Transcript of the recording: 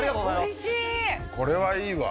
これはいいわ。